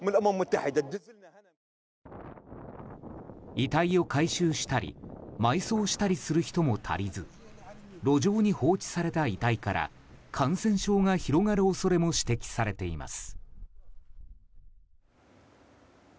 遺体を回収したり埋葬したりする人も足りず路上に放置された遺体から感染症が広がる恐れも指摘されています。